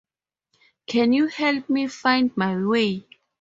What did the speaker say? Can you help me find my way?